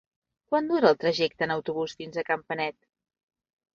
Quant dura el trajecte en autobús fins a Campanet?